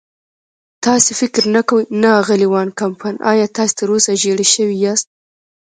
تاسې فکر نه کوئ؟ نه، اغلې وان کمپن، ایا تاسې تراوسه ژېړی شوي یاست؟